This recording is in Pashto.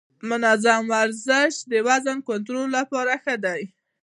منظم ورزش د وزن کنټرول لپاره ښه دی.